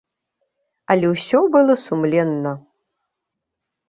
Але ўсё было сумленна.